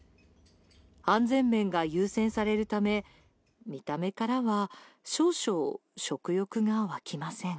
安全面が優先されるため見た目からは少々食欲が湧きません。